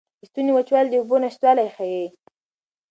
د ستوني وچوالی د اوبو نشتوالی ښيي.